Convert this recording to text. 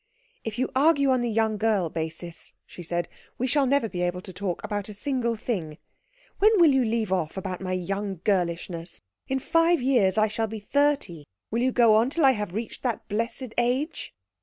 "If you argue on the young girl basis," she said, "we shall never be able to talk about a single thing. When will you leave off about my young girlishness? In five years I shall be thirty will you go on till I have reached that blessed age?"